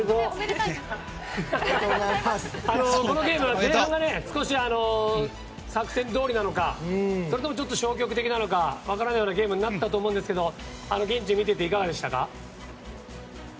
このゲーム前半が少し作戦どおりなのかそれともちょっと消極的なのかわからないゲームになりましたが現地で見ていていかがでしたか？